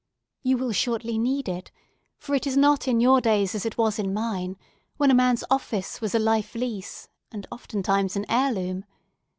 You will shortly need it; for it is not in your days as it was in mine, when a man's office was a life lease, and oftentimes an heirloom.